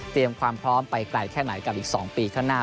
ความพร้อมไปไกลแค่ไหนกับอีก๒ปีข้างหน้า